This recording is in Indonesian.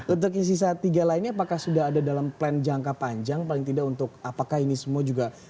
untuk sisa tiga lainnya apakah sudah ada dalam plan jangka panjang paling tidak untuk apakah ini semua juga